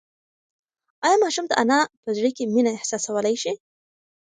ایا ماشوم د انا په زړه کې مینه احساسولی شي؟